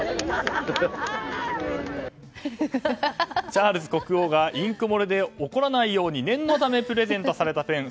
チャールズ国王がインク漏れで怒らないように念のためプレゼントされたペン。